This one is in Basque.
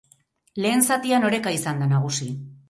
Lehen zatian oreka izan da nagusi.